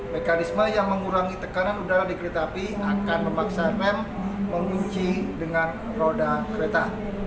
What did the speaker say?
mekanisme yang mengurangi tekanan udara di kereta api akan memaksa pem mengunci dengan roda kereta